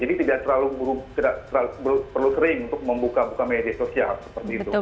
jadi tidak terlalu perlu kering untuk membuka buka media sosial seperti itu